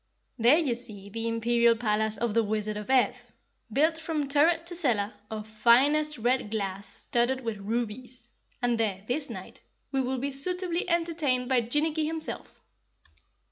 "There you see the imperial palace of the Wizard of Ev, built from turret to cellar of finest red glass studded with rubies, and there, this night, we will be suitably entertained by Jinnicky himself."